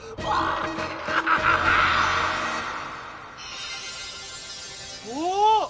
おお！